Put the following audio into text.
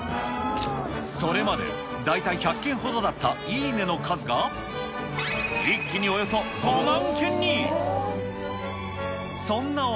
それまで大体１００件ほどだったいいねの数が、一気におよそ５万件に。